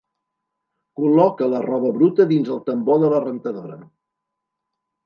Col·loca la roba bruta dins el tambor de la rentadora.